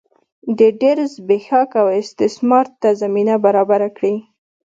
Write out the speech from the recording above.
د ډېر زبېښاک او استثمار ته زمینه برابره کړي.